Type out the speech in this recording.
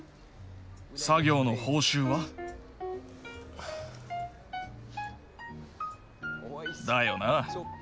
作業の報酬は？だよな。